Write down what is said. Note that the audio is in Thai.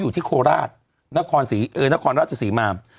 ที่โคราชนครราชสีมาม